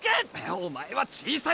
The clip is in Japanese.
おまえは小さい。